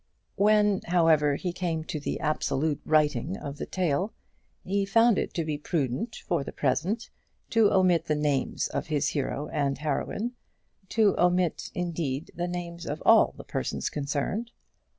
When, however, he came to the absolute writing of the tale, he found it to be prudent for the present to omit the names of his hero and heroine to omit, indeed, the names of all the persons concerned.